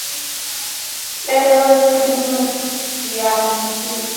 Ewe tunu ya mtima, kwa nini wanikimbia?